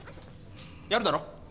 やるだろ？